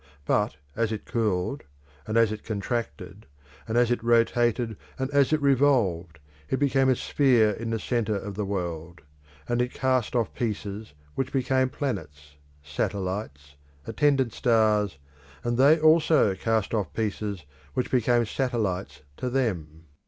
But as it cooled, and as it contracted, and as it rotated, and as it revolved, it became a sphere in the centre of the world; and it cast off pieces which became planets, satellites, attendant stars, and they also cast off pieces which became satellites to them.